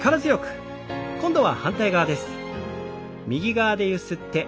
今度は反対側です。